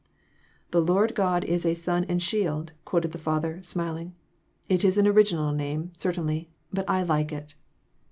"The Lord God is a sun and shield," quoted the father, smiling. "It is an original name, certainly, but I like it."